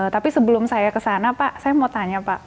tapi sebelum saya kesana pak saya mau tanya pak